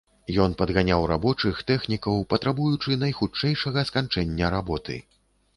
Ён падганяў рабочых, тэхнікаў, патрабуючы найхутчэйшага сканчэння работы.